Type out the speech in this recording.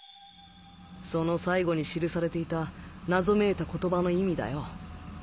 その最後に記されていた謎めいた言葉の意味だよ！